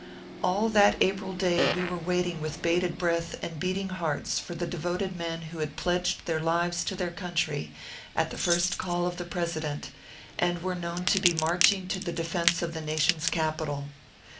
All that April day we were waiting with bated breath and beating hearts for the devoted men who had pledged their lives to their country at the first call of the President, and were known to be marching to the defence of the nation s capital.